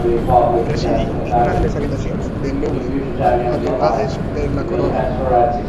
Residí en una de les habitacions del Louvre, atorgades per la Corona.